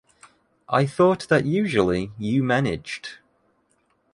I thought that usually, you managed.